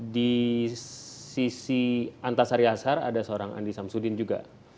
di sisi antasarilhassar ada seorang andi samsudin juga